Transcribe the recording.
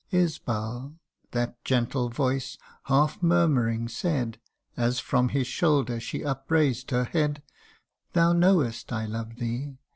" Isbal," that gentle voice half murmuring said, As from his shoulder she upraised her head ;" Thou knowest I love thee.